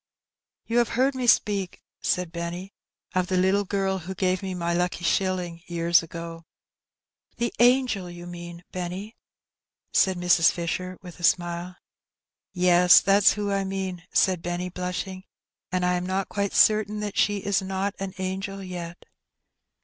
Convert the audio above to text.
'* "You have heard me speak," said Benny, "of the little girl who gave me my lucky shilling years ago ?*' "The angel, you mean, Benny,'' said Mrs. Fisher, with a smile. "Yes, that's who I mean," said Benny, blushing; "and I am not quite certain that she is not an angel yet."